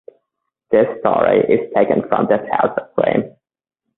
This story is taken from the Tales of Grimm.